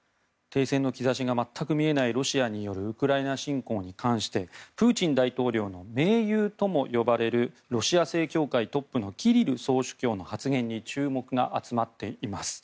停戦の兆しが全く見えないロシアによるウクライナ侵攻に関してプーチン大統領の盟友とも呼ばれるロシア正教会トップのキリル総主教の発言に注目が集まっています。